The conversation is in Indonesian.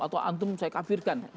atau antum saya kafirkan